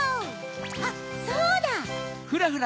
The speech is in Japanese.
あっそうだ！